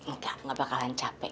nggak nggak bakalan capek